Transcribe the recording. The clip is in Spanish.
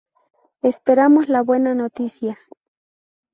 Esperamos la buena noticia!